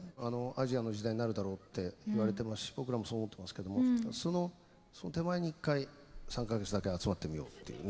アジアの時代になるだろうっていわれてますし僕らもそう思ってますけどもその手前に一回３か月だけ集まってみようっていうね。